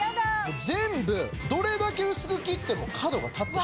全部どれだけ薄く切っても角が立ってる。